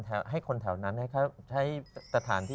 ใช่ใครอ่านก็ได้